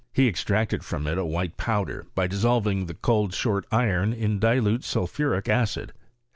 He extracted from it a white powder, by dissolving the cold short iron in dilute sulphuric acid.